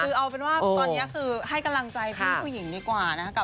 คือเอาเป็นว่าตอนนี้คือให้กำลังใจพี่ผู้หญิงดีกว่านะคะ